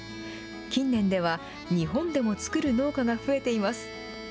近年では、日本でも作る農家が増えています。